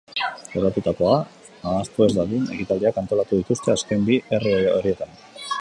Gertatutakoa ahaztu ez dadin, ekitaldiak antolatu dituzte azken bi herri horietan.